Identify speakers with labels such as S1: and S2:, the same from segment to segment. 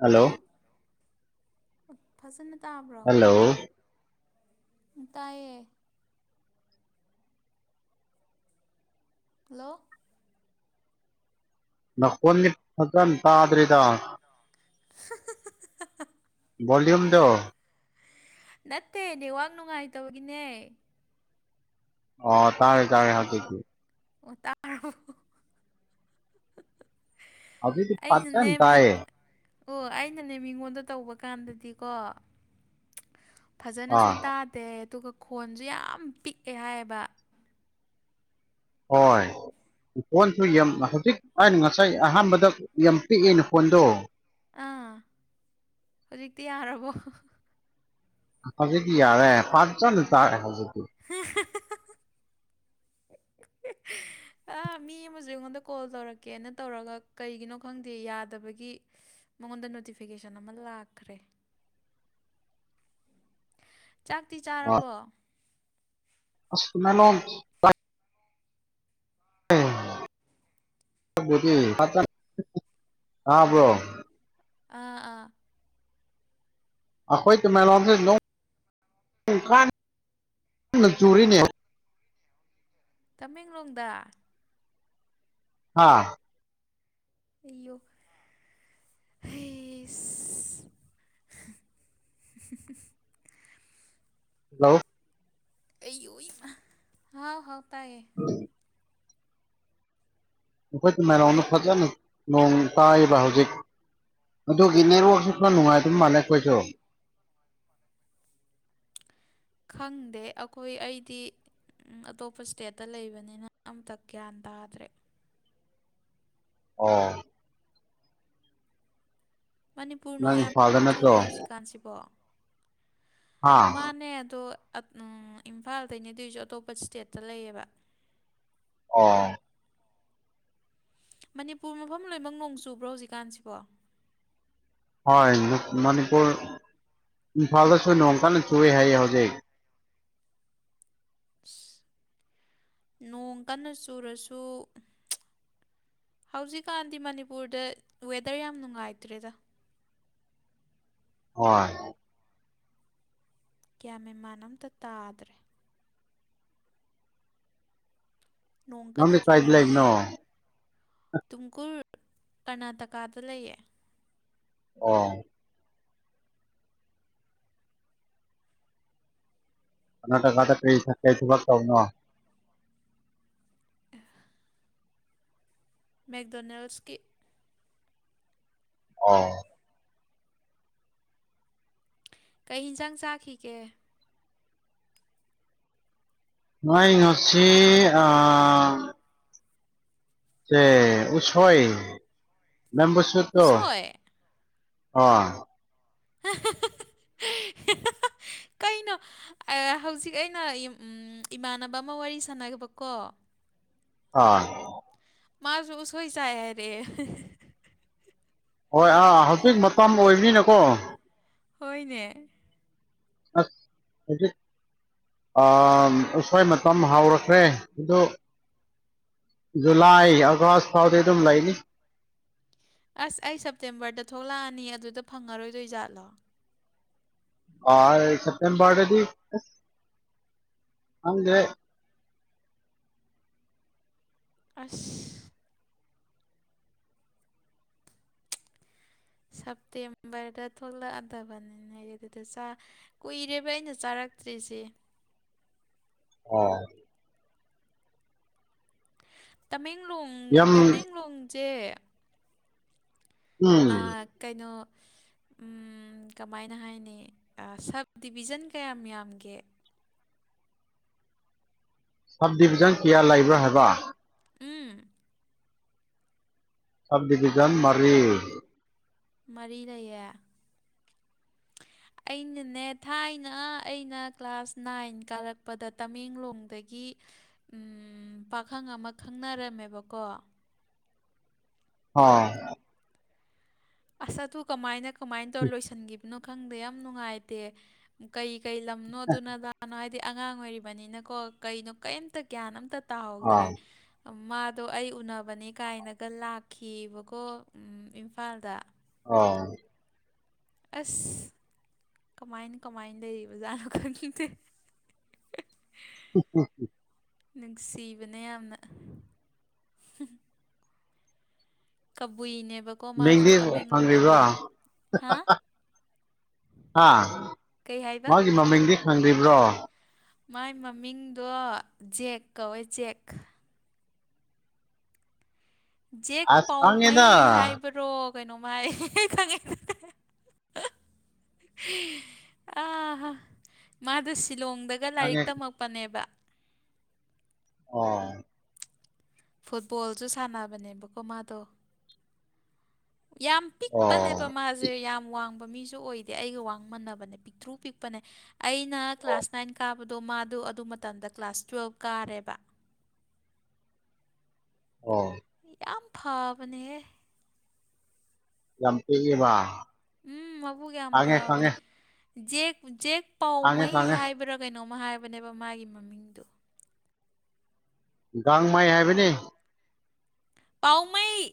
S1: hello
S2: ꯐꯁꯜ
S1: hello
S2: ꯇꯌꯦ ꯂꯜꯂꯣ
S1: ꯅꯀꯣꯟꯅꯤ ꯐꯖꯟ ꯇꯥꯗ꯭ꯔꯤꯗ
S2: [unintelligible]
S1: ꯣꯜ꯭ꯌꯨꯝ ꯗ
S2: ꯅꯠꯇꯦ ꯅ ꯋꯥꯥꯛ ꯅꯨꯡꯉꯥꯏ ꯇꯒꯅꯦ
S1: ꯑꯣ ꯇꯔꯦ ꯇꯔꯦ ꯍꯥꯀꯤ
S2: ꯎ ꯇꯔꯣ
S1: ꯍꯧꯖꯤꯛꯇꯤ
S2: ꯑꯩꯅꯅꯦ
S1: ꯐꯖꯅ ꯇꯥꯏꯌꯦ
S2: ꯑꯣ ꯑꯩꯅꯅꯦ ꯃꯤꯉꯣꯟꯗ ꯇꯧꯕ ꯀꯥꯟꯗꯗꯤꯀꯣ ꯐꯖꯅꯁꯨ
S1: ꯑꯥ
S2: ꯇꯥꯗꯦ ꯑꯗꯨꯒ ꯈꯣꯟꯁꯨꯦ ꯌꯥꯝ ꯄꯤꯛꯑꯦ ꯍꯥꯏꯌꯦꯕ
S1: ꯍꯣꯏ ꯐꯣꯟꯁꯨ ꯌꯥꯝ ꯍꯧꯖꯤꯛ ꯑꯩꯅ ꯉꯁꯥꯏ ꯑꯍꯥꯟꯕꯗ ꯌꯥꯝ ꯄꯤꯛꯏꯅ ꯐꯣꯟꯗꯣ
S2: ꯑꯥ ꯍꯧꯖꯤꯛꯇꯤ ꯌꯥꯔꯕꯣ
S1: ꯍꯖꯤꯗꯤ ꯌꯥꯔꯦ ꯄꯆꯖ ꯇꯔꯦ ꯍꯖꯤ
S2: ꯎ ꯑꯥ
S1: [unintelligible]
S2: ꯃꯤ ꯑꯃꯁꯨ ꯑꯩꯉꯣꯟꯗ ꯀꯣꯜ ꯇꯧꯔꯛꯀꯦꯅ ꯇꯧꯔꯒ ꯀꯩꯒꯤꯅꯣ ꯈꯪꯗꯦ ꯌꯥꯗꯕꯒꯤ ꯃꯉꯣꯟꯗ ꯅꯣꯇꯤꯐꯤꯀꯦꯁꯟ ꯑꯃ ꯂꯥꯛꯈ꯭ꯔꯦ ꯆꯥꯛꯇꯤ ꯆꯥꯔꯕꯣ
S1: ꯑ ꯃꯅꯣꯝ ꯎꯝ ꯑꯥꯕ꯭ꯔꯣ
S2: ꯑꯣ ꯑꯥ ꯑꯥ
S1: ꯑꯈꯣꯏ ꯇꯃꯦꯡꯂꯣꯡ ꯗꯤ ꯅꯣꯡ ꯀꯟꯅ ꯆꯨꯔꯤꯅꯦ
S2: ꯇꯃꯦꯡꯂꯣꯡꯗ
S1: ꯍꯥꯥ
S2: ꯏꯣ ꯑꯩꯁ [unintelligible]
S1: ꯍꯜꯂꯣ
S2: ꯑꯩꯌꯣꯏꯃꯥ ꯍꯥꯎ ꯍꯥꯎ ꯇꯌꯦ
S1: ꯑꯩꯈꯣꯏꯒꯤ
S2: ꯍꯜꯂꯣ
S1: ꯇꯃꯦꯂꯣꯡꯗ ꯐꯖꯅ ꯅꯣꯡ ꯇꯥꯏꯕ ꯍꯧꯖꯤꯛ ꯑꯗꯨꯒꯤ ꯅꯦꯠꯋꯔꯥꯛꯁꯦ ꯈꯔ ꯅꯨꯡꯉꯥꯏꯇꯕ ꯃꯥꯜꯂꯦ ꯑꯩꯈꯣꯏꯁꯨ [unintelligible]
S2: ꯈꯪꯗꯦ ꯑꯩꯈꯣꯏ ꯑꯩꯗꯤ ꯑꯇꯣꯞꯄ ꯏꯁ꯭ꯇꯦꯠꯇ ꯂꯩꯕꯅꯤꯅ ꯑꯝꯇ ꯒ꯭ꯌꯥꯟ ꯇꯥꯗ꯭ꯔꯦ
S1: ꯑꯣ
S2: ꯃꯅꯤꯄꯨꯔ
S1: ꯅꯪ
S2: ꯅꯣꯡ ꯌꯥꯝ
S1: ꯏꯝꯐꯥꯜꯗ
S2: ꯀꯟꯅ
S1: ꯅꯠꯇ꯭ꯔꯣ
S2: ꯆꯨꯕ꯭ꯔꯥ ꯍꯧꯖꯤꯛꯀꯥꯟꯁꯤꯕꯣ
S1: ꯍꯥ
S2: ꯃꯥꯅꯦ ꯑꯗꯣ ꯏꯝꯐꯥꯜꯗꯒꯤ ꯑꯗꯨꯑꯣꯏꯁꯨ ꯑꯇꯣꯞꯄ ꯏꯁ꯭ꯇꯦꯠꯇ ꯂꯩꯌꯦꯕ
S1: ꯑꯣ
S2: ꯃꯅꯤꯄꯨꯔ ꯃꯐꯝ ꯂꯣꯏꯅꯃꯛ ꯅꯣꯡ ꯆꯨꯕ꯭ꯔꯣ ꯍꯧꯖꯤꯛꯀꯥꯟꯁꯤꯕꯣ
S1: ꯍꯣꯏ ꯃꯅꯤꯄꯨꯔ ꯏꯝꯐꯜꯗꯁꯨ ꯅꯣꯡꯀꯟꯅ ꯆꯨꯏꯌꯦ ꯍꯥꯢꯌꯦ ꯍꯧꯖꯤꯛ
S2: ꯅꯣꯡ ꯀꯟꯅ ꯆꯨꯔꯁꯨ ꯍꯧꯖꯤꯛꯀꯥꯟꯗꯤ ꯃꯅꯤꯄꯨꯔꯗ ꯋꯦꯗꯔ ꯌꯥꯝ ꯅꯨꯡꯉꯥꯏꯇ꯭ꯔꯦꯗ
S1: ꯍꯣꯏ
S2: ꯀꯌꯥ ꯃꯦꯃꯥꯟ ꯑꯝꯇ ꯇꯥꯗ꯭ꯔꯦ
S1: ꯅꯪꯗꯤ ꯀꯥꯏꯗ ꯂꯩꯕꯅꯣ
S2: ꯇꯨꯡꯀꯨꯔ ꯀꯔꯅꯥꯇꯀꯥꯗ ꯂꯩꯌꯦ
S1: ꯑꯣ ꯀꯔꯅꯥꯇꯀꯥꯗ ꯀꯔꯤ ꯀꯔꯤ ꯊꯕꯛ ꯇꯧꯕꯅꯣ
S2: ꯃꯦꯛꯗꯣꯅꯦꯜꯁ ꯀꯤ
S1: ꯑꯣ
S2: ꯀꯩ ꯌꯦꯟꯖꯥꯡ ꯆꯥꯈꯤꯒꯦ
S1: ꯅꯣꯢ ꯉꯁꯤ ꯑ ꯁꯦ ꯎꯁꯣꯏ ꯕꯦꯝꯕꯨ ꯁꯨꯠꯇꯣ
S2: ꯎꯁꯣꯏ
S1: ꯑ
S2: [unintelligible] ꯀꯩꯅꯣ ꯍꯧꯖꯤꯛ ꯑꯩꯅ ꯏꯃꯥꯟꯅꯕ ꯑꯃ ꯋꯥꯔꯤ ꯁꯥꯟꯅꯈꯤꯕꯀꯣ
S1: ꯑ
S2: ꯃꯥꯁꯨ ꯎꯁꯣꯏ ꯆꯥꯢ ꯍꯥꯢꯔꯛꯑꯦ
S1: ꯍꯣꯏ ꯑꯥ ꯍꯧꯖꯤꯛ ꯃꯇꯝ ꯑꯣꯏꯕꯤꯅꯀꯣ
S2: ꯍꯣꯏꯅꯦ
S1: [unintelligible] ꯑ ꯎꯁꯣꯏ ꯃꯇꯝ ꯍꯥꯎꯔꯛꯈ꯭ꯔꯦ ꯑꯗꯨ ꯖꯨꯨꯂꯥꯏ ꯑꯥꯒꯁ ꯐꯥꯎꯗꯤ ꯑꯗꯨꯝ ꯂꯩꯅꯤ
S2: ꯑꯁ ꯑꯩ ꯁꯦꯞꯇꯦꯝꯕꯔꯗ ꯊꯣꯛꯂꯛꯑꯅꯤ ꯑꯗꯨꯗ ꯐꯪꯉꯔꯣꯏꯗꯩ ꯖꯥꯠꯂꯣ
S1: ꯑ ꯁꯦꯞꯇꯦꯝꯕꯔꯗꯗꯤ ꯈꯪꯗꯦ
S2: ꯑꯁ ꯁꯦꯞꯇꯦꯝꯕꯔꯗ ꯊꯣꯛꯂꯛꯑꯗꯕꯅꯤꯅ ꯍꯥꯏ ꯑꯗꯨꯗ ꯀꯨꯏꯔꯦꯕ ꯑꯩꯅ ꯆꯥꯔꯛ [unintelligible]
S1: [inaudible] ꯑꯣ
S2: ꯇꯃꯦꯡꯂꯣꯡ
S1: ꯌꯥꯝ
S2: ꯇꯃꯦꯡꯂꯣꯡꯁꯦ ꯑ
S1: ꯎꯝ
S2: ꯀꯩꯅꯣ ꯎꯝ ꯀꯃꯥꯏꯅ ꯍꯥꯏꯅꯤ ꯁꯞ ꯗꯤꯕꯤꯖꯟ ꯀꯌꯥꯝ ꯌꯥꯝꯒꯦ
S1: ꯁꯞ ꯗꯤꯚꯤꯖꯟ ꯀꯌꯥ ꯂꯩꯕ꯭ꯔꯥ ꯍꯥꯏꯕ
S2: ꯎꯝ
S1: ꯁꯞ ꯗꯤꯚꯤꯖꯟ ꯃꯔꯤ
S2: ꯃꯔꯤ ꯂꯩꯌꯦ
S1: [inaudible]
S2: ꯑꯩꯅꯅꯦ ꯊꯥꯏꯅ ꯑꯩꯅ ꯀ꯭ꯂꯥꯁ ꯅꯥꯏꯟ ꯀꯥꯔꯛꯄꯗ ꯇꯃꯦꯡꯂꯣꯡꯗꯒꯤ ꯄꯥꯈꯪ ꯑꯃ ꯈꯪꯅꯔꯝꯃꯦꯕꯀꯣ
S1: ꯍꯣꯏ [unintelligible]
S2: ꯑꯁ ꯑꯗꯨ ꯀꯃꯥꯏꯅ ꯀꯃꯥꯏꯅ ꯇꯧꯔ ꯂꯣꯏꯁꯤꯟꯈꯤꯕꯅꯣ ꯈꯪꯗꯦ ꯌꯥꯝ ꯅꯨꯡꯉꯥꯏꯇꯦ ꯀꯩ ꯀꯩ ꯂꯝꯅꯣ ꯑꯗꯨꯅ ꯗꯥꯅꯣ ꯍꯥꯏꯗꯤ ꯑꯉꯥꯡ ꯑꯣꯏꯔꯤꯕꯅꯤꯅꯀꯣ ꯀꯩꯅꯣ ꯀꯩꯏꯝꯇ ꯒ꯭ꯌꯥꯟ ꯑꯝꯇ
S1: ꯑꯥ
S2: ꯇꯥꯎꯗ꯭ꯔꯦ ꯃꯥꯗꯣ ꯑꯩ ꯎꯅꯕꯅꯦ ꯀꯥꯏꯅꯒ ꯂꯥꯛꯈꯤꯕꯀꯣ ꯏꯝꯐꯥꯜꯗ
S1: ꯑꯧ
S2: ꯑꯁ ꯀꯃꯥꯏꯅ ꯀꯃꯥꯏꯅ ꯂꯩꯔꯤꯕ ꯖꯥꯠꯅꯣ ꯈꯪꯅꯤꯡꯗꯦ ꯅꯨꯡꯁꯤꯕꯅꯦ ꯌꯥꯝꯅ ꯀꯕꯨꯏꯅꯦ
S1: ꯃꯤꯡꯗꯤ ꯐꯪꯗ꯭ꯔꯤꯕ꯭ꯔꯣ
S2: ꯍꯥ
S1: ꯍꯥ
S2: ꯀꯩ ꯍꯥꯏꯕ
S1: ꯃꯥꯒꯤ ꯃꯃꯤꯡꯗꯤ ꯈꯪꯗ꯭ꯔꯤꯕ꯭ꯔꯣ
S2: ꯃꯥꯏ ꯃꯃꯤꯡꯗꯣ ꯖꯦꯛ ꯀꯧꯋꯦ ꯖꯦꯛ ꯖꯦꯛ
S1: ꯑꯁ
S2: ꯄꯥꯎꯃꯩ
S1: ꯈꯪꯉꯦꯗ
S2: ꯍꯥꯏꯕꯔꯣ ꯀꯩꯅꯣꯝꯃ ꯍꯥꯏ ꯈꯪꯉꯦ ꯈꯪ ꯑꯥ ꯃꯥꯗꯁ ꯁꯤꯂꯣꯡꯗꯒ ꯂꯥꯏꯔꯤꯛ
S1: ꯈꯪꯉꯦ
S2: ꯇꯝꯃꯛꯄꯅꯦꯕ
S1: ꯑꯣ
S2: ꯐꯨꯠꯕꯣꯜꯁꯨ ꯁꯥꯟꯅꯕꯅꯦꯕꯀꯣ ꯃꯥꯗꯣ ꯌꯥꯝ ꯄꯤꯛꯄꯅꯦꯕ
S1: ꯑꯣ
S2: ꯃꯥꯁꯦ ꯌꯥꯝ ꯋꯥꯡꯕ ꯃꯤꯁꯨ ꯑꯣꯏꯗꯦ ꯑꯩꯒ ꯋꯥꯡ ꯃꯥꯅꯕꯅꯦ ꯄꯤꯛꯇ꯭ꯔꯨ ꯄꯤꯛꯄꯅꯦ ꯑꯩꯅ ꯀ꯭ꯂꯥꯁ ꯅꯥꯏꯟ ꯀꯥꯕꯗꯣ ꯃꯥꯗꯨ ꯑꯗꯨ ꯃꯇꯝꯗ ꯀ꯭ꯂꯥꯁ ꯇꯨꯋꯦꯜꯕ ꯀꯥꯔꯦꯕ
S1: ꯑꯣ
S2: ꯌꯥꯝ ꯐꯥꯕꯅꯦꯍꯦ
S1: ꯌꯥꯝꯇꯦꯏꯕ
S2: ꯎꯝ ꯃꯕꯨꯛ ꯌꯥꯝ ꯐꯕꯅꯦ ꯖꯦꯛ ꯖꯦꯛ
S1: ꯈꯪꯉꯦ
S2: ꯄꯥꯎꯃꯩ
S1: ꯈꯪꯉꯦ
S2: ꯍꯥꯏꯕ꯭ꯔꯥ ꯀꯩꯅꯣꯝ ꯃ ꯍꯥꯏꯕꯅꯦꯕ ꯃꯥꯒꯤ ꯃꯃꯤꯡꯗꯨ
S1: ꯒꯥꯡꯃꯥꯏ ꯍꯥꯏꯕꯅꯤ
S2: ꯄꯥꯎꯃꯩ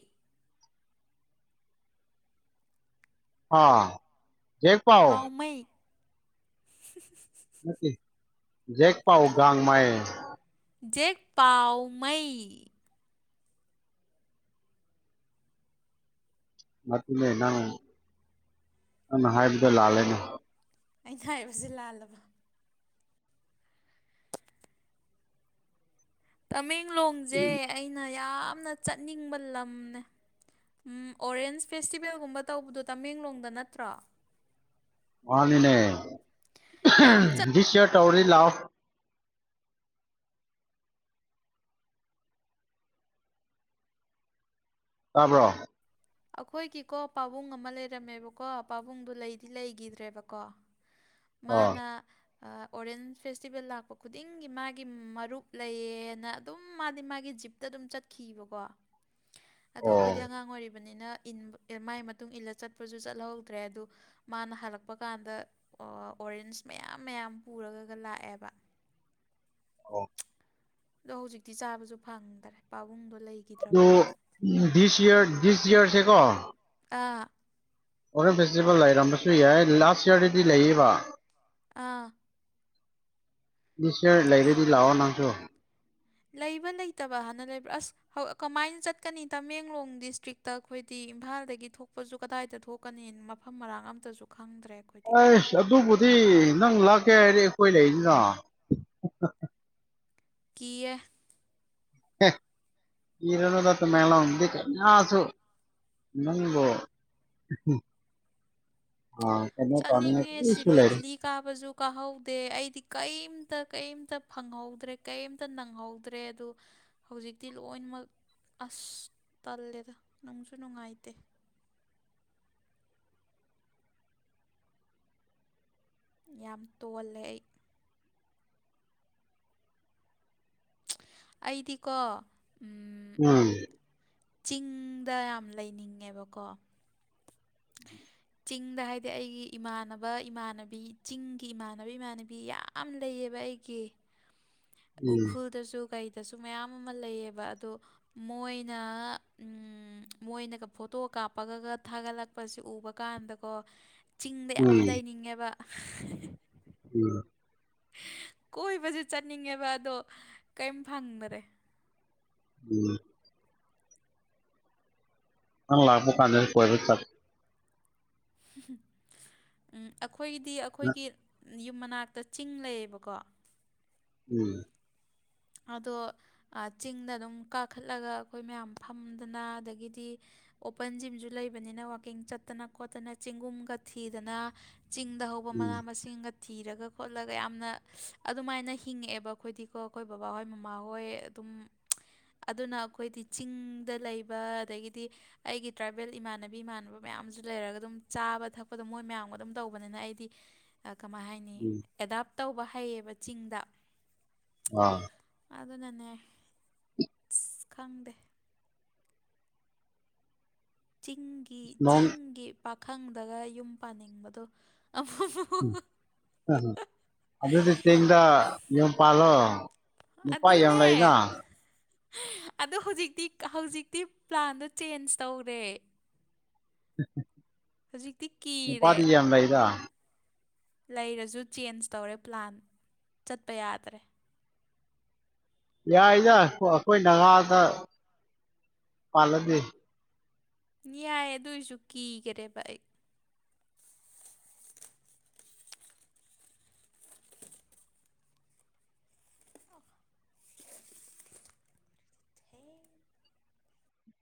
S1: ꯑꯥ ꯖꯦꯛ ꯄꯥꯎ
S2: ꯄꯥꯎꯃꯩ [unintelligible]
S1: ꯅꯠꯇꯦ ꯖꯦꯛ ꯄꯥꯎ ꯒꯥꯡꯃꯩ
S2: ꯖꯦꯛ ꯄꯥꯎ ꯃꯩ
S1: ꯃꯠꯇꯦꯅꯦ ꯅꯪ ꯅꯪꯅ ꯍꯥꯏꯕꯗ ꯂꯥꯜꯂꯦꯅꯦ
S2: ꯑꯩꯅ ꯍꯥꯏꯕꯁꯦ ꯂꯥꯜꯂꯕ ꯇꯃꯦꯡꯂꯣꯡꯖꯦ ꯑꯩꯅ ꯌꯥꯝꯅ ꯆꯠꯅꯤꯡꯕ ꯂꯝꯅꯦ ꯎꯝ ꯑꯣꯔꯦꯟꯁ ꯐꯦꯁꯇꯤꯚꯦꯜꯒꯨꯝꯕ ꯇꯧꯕꯗꯣ ꯇꯃꯦꯡꯂꯣꯡꯗ ꯅꯠꯇ꯭ꯔꯣ
S1: ꯃꯅꯤꯅꯦ
S2: ꯌꯥꯝ ꯆꯠ
S1: ꯗꯤꯁ ꯏꯌꯔ ꯇꯧꯔꯤ ꯂꯥꯎ ꯇꯥꯕ꯭ꯔꯣ
S2: ꯑꯩꯈꯣꯏꯒꯤꯀꯣ ꯄꯥꯕꯨꯡ ꯑꯃ ꯂꯩꯔꯝꯃꯦꯕꯀꯣ ꯄꯥꯕꯨꯡꯗꯣ ꯂꯩꯗꯤ ꯂꯩꯗꯤꯒ꯭ꯔꯦꯗꯕꯀꯣ
S1: ꯑꯣ
S2: ꯃꯥꯅꯥ ꯑꯥ ꯑꯣꯔꯦꯟꯁ ꯐꯦꯁꯇꯤꯚꯦꯜ ꯂꯥꯛꯄ ꯈꯨꯗꯤꯡꯒꯤ ꯃꯥꯒꯤ ꯃꯔꯨꯞ ꯂꯩꯌꯦꯅ ꯑꯗꯨꯝ ꯃꯥꯗꯤ ꯃꯥꯒꯤ ꯖꯤꯞꯇ ꯑꯗꯨꯝ ꯆꯠꯈꯤꯕꯀꯣ ꯑꯗꯣ
S1: ꯑꯣ
S2: ꯑꯩꯈꯣꯏꯗꯤ ꯑꯉꯥꯡ ꯑꯣꯏꯔꯤꯞ ꯕꯅꯤꯅ ꯏꯟꯕ ꯑꯦ ꯃꯥꯏ ꯃꯇꯨꯡ ꯏꯜꯂ ꯆꯠꯄꯁꯨ ꯆꯠꯍꯧꯗ꯭ꯔꯦ ꯑꯗꯨ ꯃꯥꯅ ꯍꯜꯂꯛꯄ ꯀꯥꯟꯗ ꯑꯣꯔꯦꯟꯖ ꯃꯌꯥꯝ ꯃꯌꯥꯝ ꯄꯨꯔꯒꯒ ꯂꯥꯛꯑꯦꯕ
S1: [unintelligible] [unintelligible]
S2: ꯑꯗꯣ ꯍꯧꯖꯤꯛꯇꯤ ꯆꯥꯕꯁꯨ ꯐꯪꯗ꯭ꯔꯦ ꯄꯥꯕꯨꯡꯗꯣ
S1: ꯑꯗꯨ
S2: ꯂꯩꯒꯤꯗ꯭ꯔꯕꯅꯤꯅ
S1: ꯗꯤꯁ ꯏꯌꯔ ꯗꯤꯁ ꯏꯌꯔꯁꯦ ꯀꯣ
S2: ꯇꯥ
S1: ꯑꯣꯔꯦꯟ ꯐꯦꯁꯇꯤꯕꯦꯜ ꯂꯩꯔꯝꯕꯁꯨ ꯌꯥꯏ ꯂꯥꯁ ꯏꯌꯥꯔꯗꯗꯤ ꯂꯩꯌꯦꯕ
S2: ꯑꯥ
S1: ꯅꯤꯁꯌꯔ
S2: ꯜ-
S1: ꯂꯩꯔꯗꯤ ꯂꯥꯛꯑꯣ ꯅꯪꯁꯨ
S2: ꯂꯩꯕ ꯂꯩꯇꯕ ꯍꯥꯟꯅ ꯂꯩꯕ꯭ꯔꯥ ꯑꯁ ꯀꯃꯥꯏꯅ ꯆꯠꯀꯅꯤ ꯇꯃꯦꯡꯂꯣꯡ ꯗꯤꯁꯇ꯭ꯔꯤꯛꯇ ꯑꯩꯈꯣꯏꯗꯤ ꯏꯝꯐꯥꯜꯗꯒꯤ ꯊꯣꯛꯄꯁꯨ ꯀꯗꯥꯏꯗ ꯊꯣꯛꯀꯅꯤ ꯃꯐꯝ ꯃꯔꯥꯡ ꯑꯝꯇꯁꯨ ꯈꯪꯗ꯭ꯔꯦ ꯑꯩꯈꯣꯏꯗꯤ
S1: ꯑ ꯑꯗꯨꯕꯨꯗꯤ ꯅꯪ ꯂꯥꯛ ꯀꯩ ꯑꯩꯈꯣꯏ ꯂꯩꯅꯤꯅ
S2: ꯀꯌꯦ
S1: ꯍꯔꯅꯗꯇ ꯃꯦꯂ ꯎꯗꯤ ꯀ ꯌꯥꯁꯨꯣ ꯅꯪꯗ
S2: ꯆꯠꯅꯤꯡꯉꯦ ꯁꯤꯔꯣꯏ ꯂꯤꯂꯤ ꯀꯥꯕꯁꯨ ꯀꯥꯍꯧꯗꯦ ꯑꯩꯗꯤ ꯀꯩꯝꯇ ꯀꯔꯤꯝꯇ ꯐꯪꯍꯧꯗ꯭ꯔꯦ ꯀꯔꯤꯝꯇ ꯅꯪꯍꯧꯗ꯭ꯔꯦ ꯑꯗꯨ ꯍꯧꯖꯤꯛꯇꯤ ꯂꯣꯏꯅꯃꯛ ꯑꯁ ꯇꯜꯂꯦꯗ ꯅꯨꯡꯁꯨ ꯅꯨꯡꯉꯥꯏꯇꯦ ꯌꯥꯝ ꯇꯣꯜꯂꯦ ꯑꯩ ꯑꯩꯗꯤꯀꯣ ꯎꯝ
S1: ꯎꯝ
S2: ꯆꯤꯡꯗ ꯌꯥꯝ ꯂꯩꯅꯤꯡꯉꯦꯕꯀꯣ
S1: ꯎꯝ
S2: ꯆꯤꯡꯗ ꯍꯥꯏꯗꯤ ꯑꯩꯒꯤ ꯏꯃꯥꯟꯅꯕ ꯏꯃꯥꯟꯅꯕꯤ ꯆꯤꯡꯒꯤ ꯏꯃꯥꯟꯅꯕ ꯏꯃꯥꯟꯅꯕꯤ ꯌꯥꯝ ꯂꯩꯌꯦ ꯕ ꯑꯩꯒꯤ
S1: ꯎꯝ
S2: ꯑꯣꯈꯣꯜꯗꯁꯨꯣ ꯀꯩꯗꯁꯨ ꯃꯌꯥꯝ ꯑꯃ ꯂꯩꯌꯦꯕ ꯑꯗꯣ ꯃꯣꯏꯅ ꯃꯣꯏꯅꯒ ꯐꯣꯇꯣ ꯀꯥꯞꯄꯒ ꯊꯥꯒꯠꯂꯛꯄꯁꯤ ꯎꯕ ꯀꯥꯟꯗꯀꯣ ꯆꯤꯡꯗ ꯌꯥꯝ
S1: ꯎꯝ
S2: ꯂꯩꯅꯤꯡꯉꯦꯕ
S1: ꯎꯝ
S2: ꯀꯣꯏꯕꯁꯨ ꯆꯠꯅꯤꯡꯉꯦꯕ ꯑꯗꯣ ꯀꯔꯤꯝ ꯐꯪꯗꯔꯦ
S1: ꯎꯃ ꯅꯪ ꯂꯥꯛꯄ ꯀꯥꯟꯗꯁꯨ ꯀꯣꯏꯕ ꯆꯠ
S2: ꯑꯩꯈꯣꯏꯒꯤꯗꯤ ꯑꯩꯈꯣꯏꯒꯤ ꯌꯨꯝ ꯃꯅꯥꯛꯇ ꯆꯤꯡ ꯂꯩꯌꯦꯕꯀꯣ
S1: ꯎꯝ
S2: ꯑꯗꯣ ꯆꯤꯡꯗ ꯑꯗꯨꯝ ꯀꯥꯈꯠꯂꯒ ꯑꯩꯈꯣꯏ ꯃꯌꯥꯝ ꯐꯝꯗꯅ ꯑꯗꯒꯤꯗꯤ ꯑꯣꯄꯟ ꯖꯤꯝꯁꯨ ꯂꯩꯕꯅꯤꯅ ꯋꯥꯛꯀꯤꯡ ꯆꯠꯇꯅ ꯈꯣꯠꯇꯅ ꯆꯦꯡꯒꯨꯝꯒ ꯊꯤꯗꯅ ꯆꯤꯡꯗ ꯍꯧꯕ
S1: ꯎꯝ
S2: ꯃꯅꯥ ꯃꯁꯤꯡꯒ ꯊꯤꯔꯒ ꯈꯣꯠꯂꯒ ꯌꯥꯝꯅ ꯑꯗꯨꯃꯥꯏꯅ ꯍꯤꯡꯉꯛꯑꯦꯕ ꯑꯩꯈꯣꯏꯗꯤꯀꯣ ꯑꯩꯈꯣꯏ ꯕꯕꯥꯍꯣꯏ ꯃꯃꯥꯍꯣꯏ ꯑꯗꯨꯝ ꯑꯗꯨꯅ ꯑꯩꯈꯣꯏꯗꯤ ꯆꯤꯡꯗ ꯂꯩꯕ ꯑꯗꯒꯤꯗꯤ ꯑꯩꯒꯤ ꯇ꯭ꯔꯥꯏꯕꯦꯜ ꯏꯃꯥꯟꯅꯕꯤ ꯏꯃꯥꯟꯅꯕ ꯃꯌꯥꯝ ꯃꯌꯥꯝꯁꯨ ꯂꯩꯔꯒ ꯑꯗꯨꯝ ꯆꯥꯕ ꯊꯛꯄꯗꯣ ꯃꯣꯏ ꯃꯌꯥꯝꯒ ꯑꯗꯨꯝ ꯇꯧꯕꯅꯤꯅ ꯑꯩꯗꯤ ꯀꯃꯥꯏ ꯍꯥꯏꯅꯤ
S1: ꯎꯝ
S2: ꯑꯦꯗꯥꯞ ꯇꯧꯕ ꯍꯩꯌꯦꯕ ꯆꯤꯡꯗ
S1: ꯑꯥ
S2: ꯑꯗꯨꯅꯅꯦ ꯑꯁ ꯈꯪꯗꯦ ꯆꯤꯡꯒꯤ
S1: ꯅꯣꯡ
S2: ꯆꯤꯡꯒꯤ ꯄꯥꯈꯪꯗꯒ ꯌꯨꯝ ꯄꯥꯟꯅꯤꯡꯕꯗꯣ
S1: ꯎꯝ ꯎꯝ ꯑꯗꯨꯗꯤ ꯆꯤꯡꯗꯥ ꯌꯣ ꯄꯥꯜꯂꯣ ꯅꯨꯄꯥꯥꯏ ꯌꯥꯝ
S2: ꯑꯗꯨꯅꯦ
S1: ꯂꯩꯅꯥ
S2: ꯑꯗꯣ ꯍꯧꯖꯤꯛꯇꯤ ꯍꯧꯖꯤꯛꯇꯤ ꯄ꯭ꯂꯥꯟꯗꯣ ꯆꯦꯟꯖ ꯇꯧꯔꯦ ꯍꯧꯖꯤꯛꯇꯤ ꯀꯤꯔꯦ
S1: ꯅꯨꯄꯥꯇꯖꯝ ꯂꯩ ꯂꯩꯗ
S2: ꯂꯩꯔꯁꯨ ꯆꯦꯟꯖ ꯇꯧꯔꯦ ꯄ꯭ꯂꯥꯟ ꯆꯠꯄ ꯌꯥꯗ꯭ꯔꯦ
S1: ꯌꯥꯏꯗ ꯑꯩꯈꯣꯏ ꯅꯍꯥꯗ ꯄꯥꯜꯂꯗꯤ
S2: ꯌꯥꯌꯥꯏ ꯑꯗꯨꯏꯁꯨ ꯀꯤꯈꯔꯦ ꯚꯏ